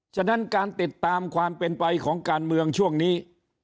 ฉะนั้นการติดตามความเป็นไปของการเมืองช่วงนี้